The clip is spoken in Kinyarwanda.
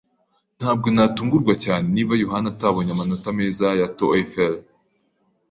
Ntabwo natungurwa cyane niba yohani atabonye amanota meza ya TOEFL.